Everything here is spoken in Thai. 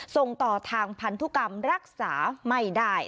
ส่งต่อทางพันธุกรรมรักษาไม่ได้